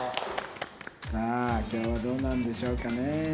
さあ今日はどうなんでしょうかね？